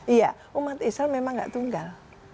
iya umat islam memang tidak tunggal